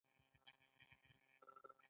هند د ناپیيلي غورځنګ غړی شو.